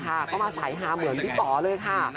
พี่ป่าจะมาไฟฆามเหมือนพี่ป่าเลยค่ะ